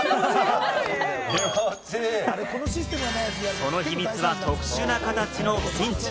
その秘密は特殊な形のピンチ。